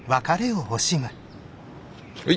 はい。